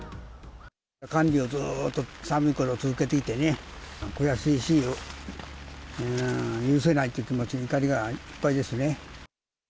管理をずっと寒いころ、続けていてね、悔しいし、許せないっていう気持ち、怒りがいっぱいですね。